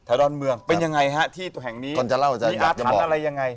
ดอนเมืองเป็นยังไงฮะที่แห่งนี้มีอาถรรพ์อะไรยังไง